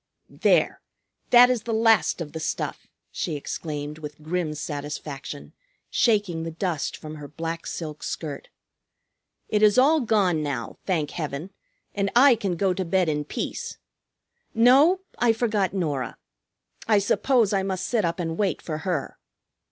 "There! That is the last of the stuff," she exclaimed with grim satisfaction, shaking the dust from her black silk skirt. "It is all gone now, thank Heaven, and I can go to bed in peace. No, I forgot Norah. I suppose I must sit up and wait for her.